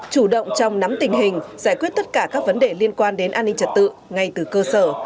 chủ động trong nắm tình hình giải quyết tất cả các vấn đề liên quan đến an ninh trật tự ngay từ cơ sở